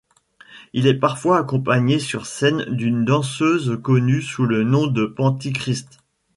Il est parfois accompagné sur scène d'une danseuse connue sous le nom de Panti-Christ.